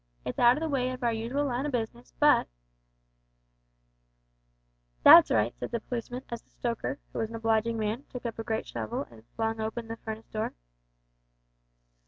It's out o' the way of our usual line of business, but " "That's right," said the policeman, as the stoker, who was an obliging man, took up a great shovel and flung open the furnace door.